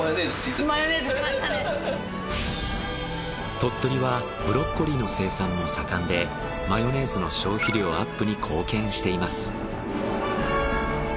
鳥取はブロッコリーの生産も盛んでマヨネーズの消費量アップに貢献しています。